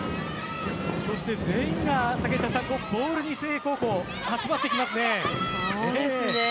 そして全員がボールに誠英高校携わってきますね。